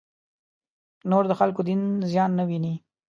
نور د خلکو دین زیان نه وویني.